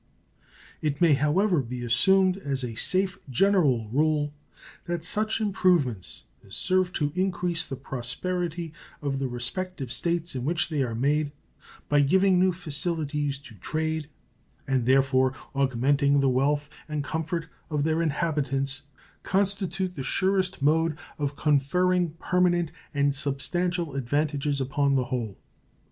It may, however, be assumed as a safe general rule that such improvements as serve to increase the prosperity of the respective States in which they are made, by giving new facilities to trade, and thereby augmenting the wealth and comfort of their inhabitants, constitute the surest mode of conferring permanent and substantial advantages upon the whole.